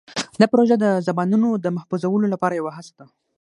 دا پروژه د زبانونو د محفوظولو لپاره یوه هڅه ده.